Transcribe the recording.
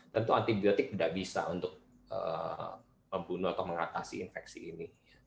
tentu antibiotik tidak bisa untuk membunuh atau mengatasi infeksi ini